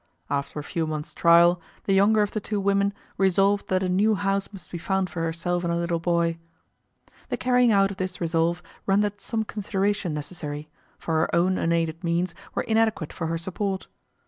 After a few months' trial, the younger of the two women resolved that a new home must be found for herself and her little boy. The carrying out of this resolve rendered some consideration necessary, for her own unaided means were inadequate for her support.